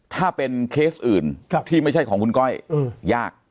ถ้าเป็นเคสอื่นที่ไม่ใช่ของคุณก้อยยาก